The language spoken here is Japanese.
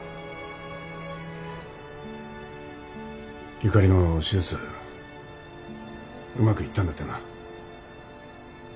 ・ゆかりの手術うまくいったんだってな。